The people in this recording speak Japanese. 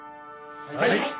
はい。